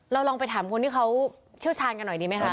ลองไปถามคนที่เขาเชี่ยวชาญกันหน่อยดีไหมคะ